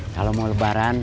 kalau mau lebaran